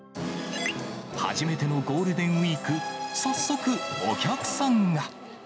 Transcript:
初めてのゴールデンウィーク、早速、お客さんが。